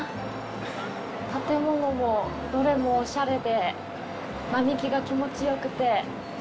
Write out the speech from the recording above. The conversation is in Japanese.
建物も、どれもおしゃれで、並木が気持ちよくて。